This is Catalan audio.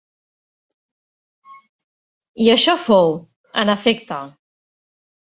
I això fou, en efecte.